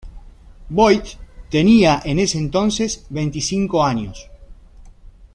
Boyd tenía en ese entonces veinticinco años.